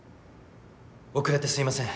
遅れてすいません。